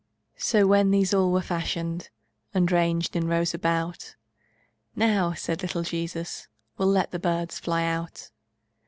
So, when these all were fashioned, And ranged in rows about, "Now," said the little Jesus, "We'll let the birds fly out."